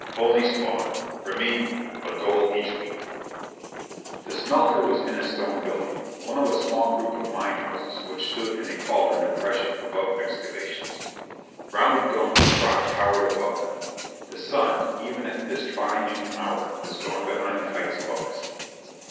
"Only Spawn. For me, a dole each week." The smelter was in a stone building one of a small group of mine houses which stood in a cauldron depression above excavations. Rounded domes of rock towered above them. The sun, even at this tri noon hour, was gone behind the heights above us.